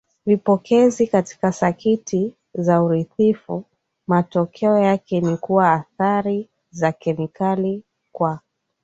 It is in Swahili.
vipokezi katika sakiti za uridhifu Matokeo yake ni kuwa athari za kemikali kwa